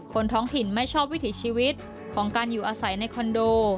ท้องถิ่นไม่ชอบวิถีชีวิตของการอยู่อาศัยในคอนโด